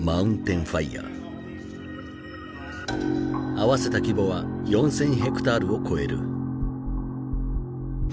合わせた規模は４，０００ヘクタールを超える。